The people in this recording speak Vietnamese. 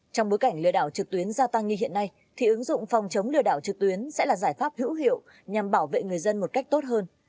trong bối cảnh lừa đảo trực tuyến gia tăng như hiện nay thì ứng dụng phòng chống lừa đảo trực tuyến sẽ là giải pháp hữu hiệu nhằm bảo vệ người dân một cách tốt hơn